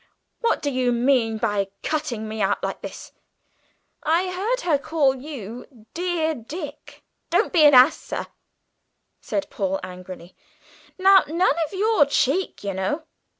What do you mean by cutting me out like this? I heard her call you 'dear Dick.'" "Don't be an ass, sir!" said Paul angrily. "Now, none of your cheek, you know!"